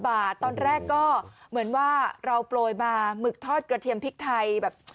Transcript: บาทตอนแรกก็เหมือนว่าเราโปรยมาหมึกทอดกระเทียมพริกไทยแบบ